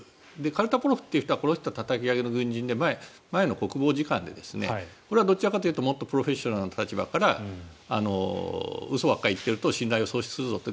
カルタポロフという人はこの人はたたき上げの軍人で前の国防次官でこれはどちらかというともっとプロフェッショナルな立場から嘘ばっかり言っていると信頼を喪失するぞと。